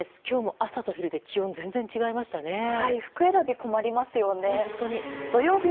今日も朝と昼で気温が全然違いましたね。